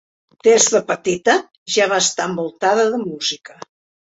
Des de petita ja va estar envoltada de música.